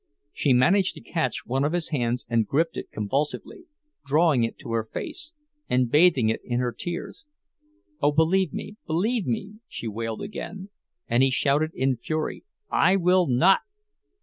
She managed to catch one of his hands and gripped it convulsively, drawing it to her face, and bathing it in her tears. "Oh, believe me, believe me!" she wailed again; and he shouted in fury, "I will not!"